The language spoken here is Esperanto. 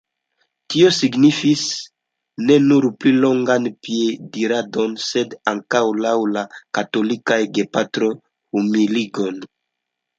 Tio signifis ne nur pli longan piediradon sed ankaŭ, laŭ la katolikaj gepatroj, humiligon.